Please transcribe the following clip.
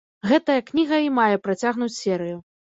Гэтая кніга і мае працягнуць серыю.